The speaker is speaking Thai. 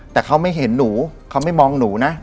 แต่เขาไม่เห็นหนูเขาไม่มองหนูนะ